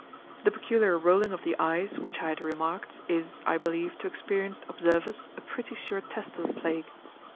The peculiar rolling of the eyes which I had remarked is, I believe, to experienced observers, a pretty sure test of the plague.